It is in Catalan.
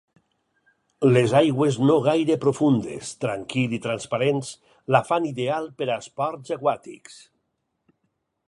Les aigües no gaire profundes, tranquil i transparents la fan ideal per a esports aquàtics.